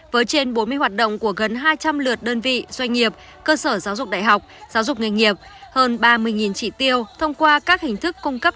với trên bốn mươi hoạt động của gần hai trăm linh lượt đơn vị doanh nghiệp cơ sở giáo dục đại học giáo dục nghệ nghiệp